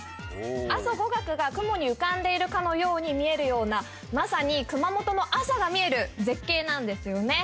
阿蘇五岳が雲に浮かんでいるかのように見えるようなまさに熊本の朝がみえる絶景なんですよね